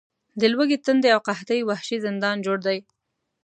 د لوږې، تندې او قحطۍ وحشي زندان جوړ دی.